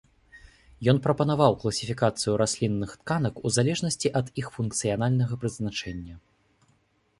Ён прапанаваў класіфікацыю раслінных тканак у залежнасці ад іх функцыянальнага прызначэння.